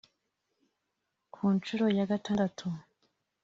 Ku nshuro ya gatandatu